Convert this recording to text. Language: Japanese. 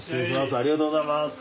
ありがとうございます。